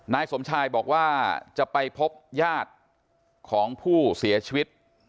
นายสมชายบอกว่าจะไปพบญาติของผู้เสียชีวิต